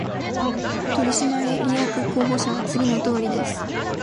取締役候補者は次のとおりです